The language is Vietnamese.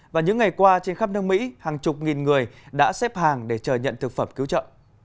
và những ngày qua trên khắp nước mỹ hàng chục nghìn người đã xếp hàng để chờ nhận thực phẩm cứu trợ